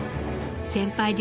先輩